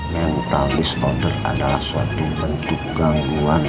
mental disorder adalah suatu bentuk gangguan